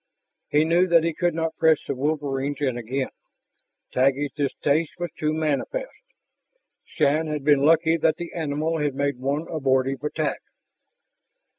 He knew that he could not press the wolverines in again. Taggi's distaste was too manifest; Shann had been lucky that the animal had made one abortive attack.